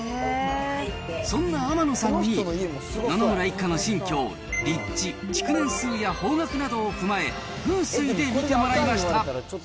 そんな天野さんに、野々村一家の新居を、立地、築年数や方角などを踏まえ、風水で見てもらいました。